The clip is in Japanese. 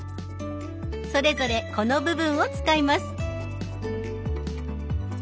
それぞれこの部分を使います。